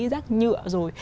rác nhựa rồi